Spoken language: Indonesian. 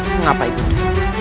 mengapa ibu nda